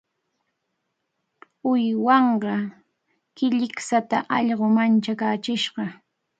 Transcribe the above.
Uywanqaa killikshata allqu manchachishqa.